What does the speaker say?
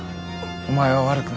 お前は悪くない。